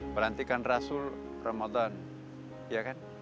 pelantikan rasul ramadan